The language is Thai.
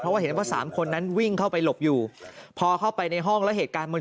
เพราะว่าเห็นว่าสามคนนั้นวิ่งเข้าไปหลบอยู่พอเข้าไปในห้องแล้วเหตุการณ์มัน